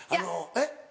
えっ？